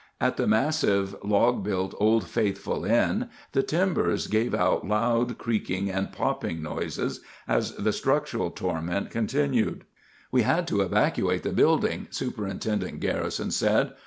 At the massive, log built Old Faithful Inn, the timbers gave out loud creaking and popping noises as the structural torment continued. "We had to evacuate the building," Superintendent Garrison said.